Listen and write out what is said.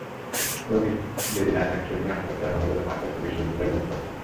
রোগী যেদিন আসবেন সেদিনই অস্ত্রোপচার হবে বলে মনে করছে বিশ্ববিদ্যালয় কর্তৃপক্ষ।